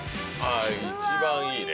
一番いいね。